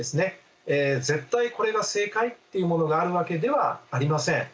絶対これが正解っていうものがあるわけではありません。